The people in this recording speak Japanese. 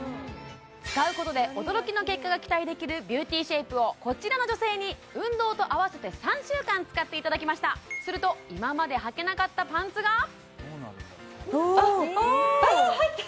使うことで驚きの結果が期待できるビューティーシェイプをこちらの女性に運動と合わせて３週間使っていただきましたすると今まではけなかったパンツがあっああ入った！